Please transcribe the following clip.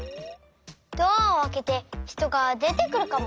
ドアをあけて人がでてくるかも。